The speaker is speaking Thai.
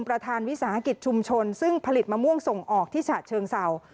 ประธานวิสาหกิจชุมชนซึ่งผลิตมะม่วงส่งออกที่ฉะเชิงเศร้า